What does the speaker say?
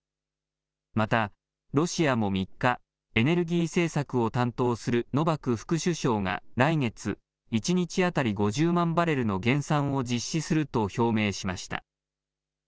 また、ロシアも３日、エネルギー政策を担当するノバク副首相が来月、１日当たり５０万バレルの減産を実施すると表明しました。